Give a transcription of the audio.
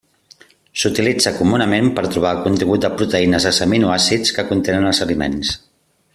S'utilitza comunament per a trobar el contingut de proteïnes dels aminoàcids que contenen els aliments.